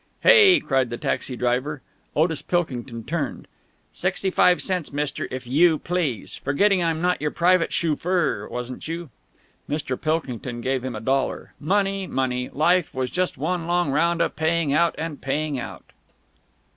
"Hey!" cried the taxi driver. Otis Pilkington turned. "Sixty five cents, mister, if you please! Forgetting I'm not your private shovoor, wasn't you?" Mr. Pilkington gave him a dollar. Money money! Life was just one long round of paying out and paying out.